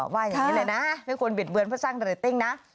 ว่าอย่างนี้เลยนะไม่ควรบิดเบือนเพื่อสร้างเรตติ้งนะ